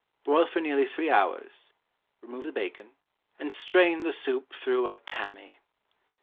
Boil for nearly three hours, remove the bacon, and strain the soup through a tammy.